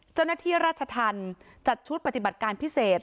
เจ้าหน้าที่ราชธรรมจัดชุดปฏิบัติการพิเศษ